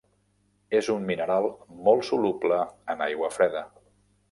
És un mineral molt soluble en aigua freda.